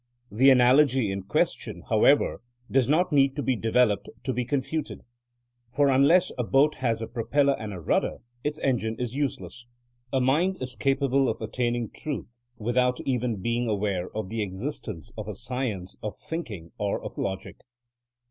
The analogy in question, however, does not need to be developed to be confuted. For unless a boat has a pro TBXSKnta AS A SCIENCE 57 pelle* and a rudder, its engine is useless. A mind is capable of attaining truth without even being aware of the existence of a science of thinking or of logic.